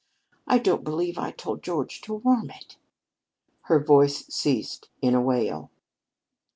I don't believe I told George to warm it." Her voice ceased in a wail.